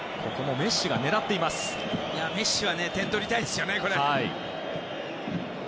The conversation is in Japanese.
メッシは点取りたいですよね。